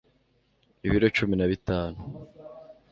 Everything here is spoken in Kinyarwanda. ibiro cumi na bitanu